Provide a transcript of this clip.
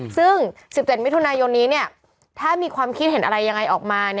ซึ่ง๑๗มิถุนายนนี้ถ้ามีความคิดเห็นอะไรยังไงออกมา